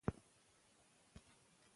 ټولنه له علمه ګټه اخلي.